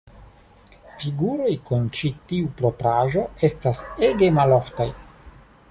Figuroj kun ĉi tiu propraĵo estas ege maloftaj.